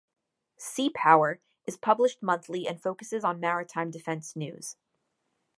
"Seapower" is published monthly and focuses on maritime defense news.